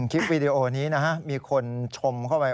คลิปวีดีโอนี้นะฮะมีคนชมเข้าไป